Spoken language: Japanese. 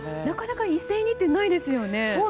なかなか一斉にってないですよね。